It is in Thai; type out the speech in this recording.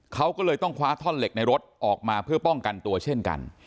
เขาก็เลยต้องคว้าท่อนเหล็กในรถออกมาเพื่อป้องกันตัวเช่นกัน